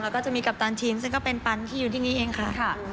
แล้วก็จะมีกัปตันทีมซึ่งก็เป็นปันที่อยู่ที่นี่เองค่ะ